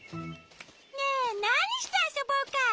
ねえなにしてあそぼうか！